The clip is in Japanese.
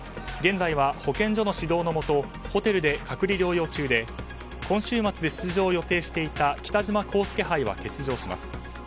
現在は保健所の指導のもとホテルで隔離療養中で今週末、出場を予定していた北島康介杯は欠場します。